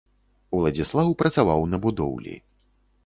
Уладзіслаў працаваў на будоўлі.